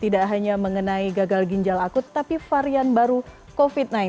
tidak hanya mengenai gagal ginjal akut tapi varian baru covid sembilan belas